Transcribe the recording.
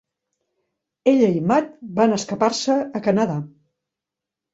Ella i Matt var escapar-se a Canadà.